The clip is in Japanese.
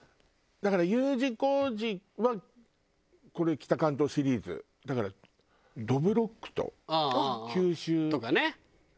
だからＵ字工事は北関東シリーズ。だからどぶろっくと九州とかね。